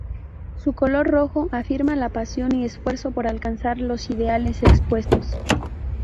Su color rojo afirma la pasión y esfuerzo por alcanzar los ideales expuestos.